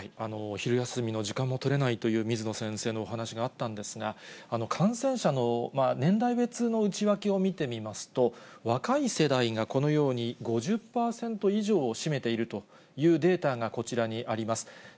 昼休みの時間も取れないという水野先生のお話があったんですが、感染者の年代別の内訳を見てみますと、若い世代がこのように５０％以上を占めているというデータが、こちらにあります。